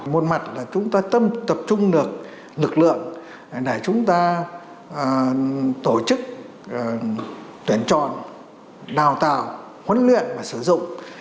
một mặt là chúng ta tâm tập trung được lực lượng để chúng ta tổ chức tuyển chọn đào tạo huấn luyện và sử dụng